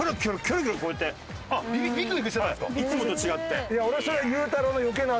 いつもと違って。